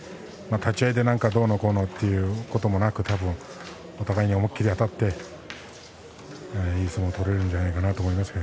立ち合いでなんかどうのこうのというのもなくお互いに思い切りあたっていい相撲を取れるんじゃないかなと思います。